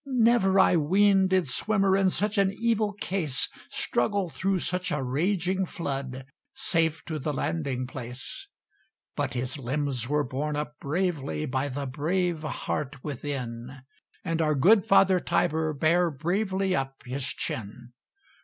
Never, I ween, did swimmer, In such an evil case, Struggle through such a raging flood Safe to the landing place: But his limbs were borne up bravely By the brave heart within, And our good father Tiber Bare bravely up his chin.